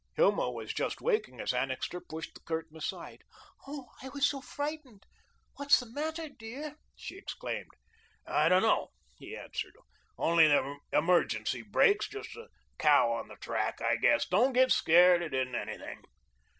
Hilma was just waking as Annixter pushed the curtain aside. "Oh, I was so frightened. What's the matter, dear?" she exclaimed. "I don't know," he answered. "Only the emergency brakes. Just a cow on the track, I guess. Don't get scared. It isn't anything."